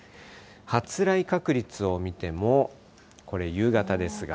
発雷確率を見ても、これ、夕方ですが。